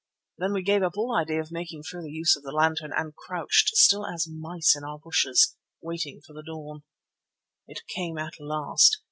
Then we gave up all idea of making further use of the lantern and crouched still as mice in our bushes, waiting for the dawn. It came at last.